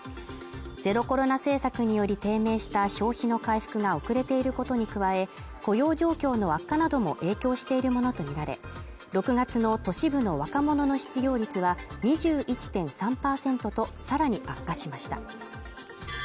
ゼロコロナ政策により低迷した消費の回復が遅れていることに加え、雇用状況の悪化なども影響しているものとみられ、６月の都市部の若者の失業率は２１．３％とさらに悪化しました。